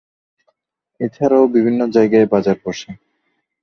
এছাড়াও বিভিন্ন জায়গায় বাজার বসে।